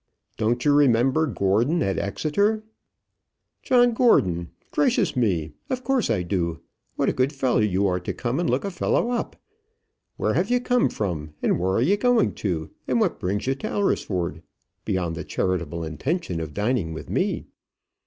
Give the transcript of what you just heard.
"Don't you remember Gordon at Exeter?" "John Gordon! Gracious me! Of course I do. What a good fellow you are to come and look a fellow up! Where have you come from, and where are you going to, and what brings you to Alresford, beyond the charitable intention of dining with me?